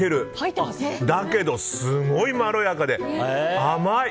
だけど、すごいまろやかで甘い！